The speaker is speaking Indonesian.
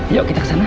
yuk kita ke sana